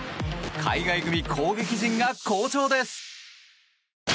海外組攻撃陣が好調です。